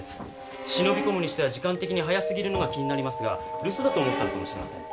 忍び込むにしては時間的に早過ぎるのが気になりますが留守だと思ったのかもしれません。